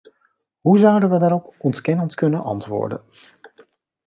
Hoe zouden we daarop ontkennend kunnen antwoorden?